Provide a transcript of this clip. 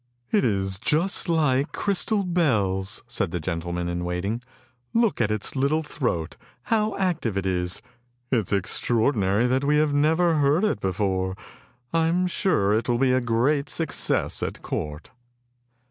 " It is just like crystal bells," said the gentleman in waiting. " Look at its little throat, how active it is. It is extraordinary that we have never heard it before! I am sure it will be a great success at court!